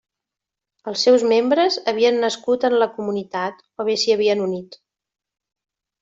Els seus membres havien nascut en la comunitat o bé s'hi havien unit.